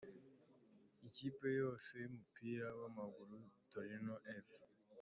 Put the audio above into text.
Ikipe yose y’umupira w’amaguru ya Torino F.